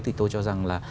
thì tôi cho rằng là